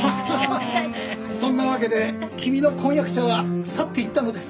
そんなわけで君の婚約者は去っていったのです。